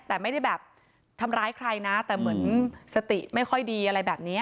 แต่ไม่ได้แบบทำร้ายใครนะแต่เหมือนสติไม่ค่อยดีอะไรแบบนี้